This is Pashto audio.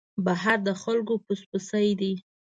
بهر د خلکو پس پسي دی.